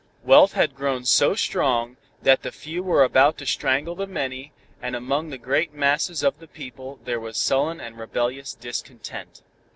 Wealth had grown so strong, that the few were about to strangle the many, and among the great masses of the people, there was sullen and rebellious discontent.